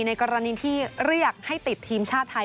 ในกรณีที่เรียกให้ติดทีมชาติไทย